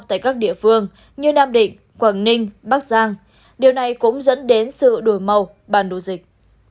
tại các địa phương như nam định quảng ninh bắc giang điều này cũng dẫn đến sự đổi màu bản đồ dịch